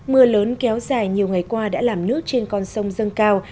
mưa lớn kéo dài nhiều ngày qua đã làm nước trên con sông dâng cao